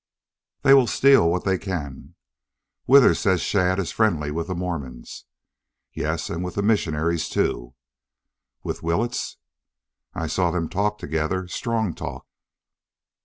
"They will steal what they can." "Withers says Shadd is friendly with the Mormons." "Yes, and with the missionary, too." "With Willetts?" "I saw them talk together strong talk."